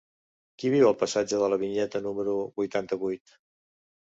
Qui viu al passatge de la Vinyeta número vuitanta-vuit?